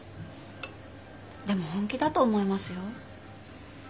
でも本気だと思いますよ。